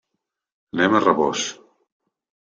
Anem a Rabós.